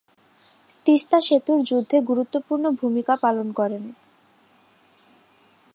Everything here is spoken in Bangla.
তিস্তা সেতুর যুদ্ধে গুরুত্বপূর্ণ ভূমিকা পালন করেন।